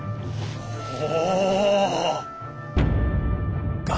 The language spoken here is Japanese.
おお！